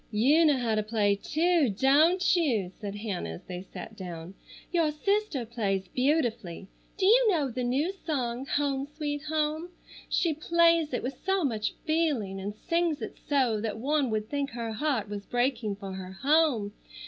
"You know how to play, too, don't you?" said Hannah as they sat down. "Your sister plays beautifully. Do you know the new song, 'Home, Sweet Home?' She plays it with so much feeling and sings it so that one would think her heart was breaking for her home.